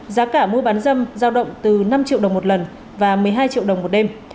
giá cả mua bán dâm giao động từ năm triệu đồng một lần và một mươi hai triệu đồng một đêm